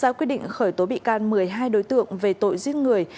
ra quyết định khởi tố bị can một mươi hai đối tượng về tội giết người